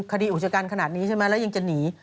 คดีอุชากรขนาดนี้ใช่มั้ยแล้วยังจะหนี